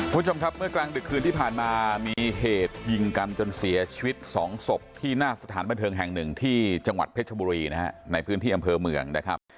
คุณผู้ชมครับเมื่อกลางดึกคืนที่ผ่านมามีเหตุยิงกันจนเสียชีวิตสองศพที่หน้าสถานบันเทิงแห่งหนึ่งที่จังหวัดเพชรบุรีนะฮะในพื้นที่อำเภอเมืองนะครับ